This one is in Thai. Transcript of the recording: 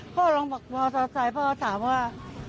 พ่อลองบอกพ่อใส่พ่อถามว่า